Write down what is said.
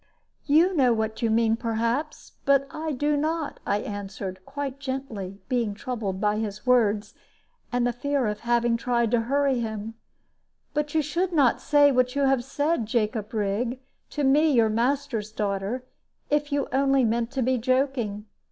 "You know what you mean, perhaps, but I do not," I answered, quite gently, being troubled by his words and the fear of having tried to hurry him; "but you should not say what you have said, Jacob Rigg, to me, your master's daughter, if you only meant to be joking.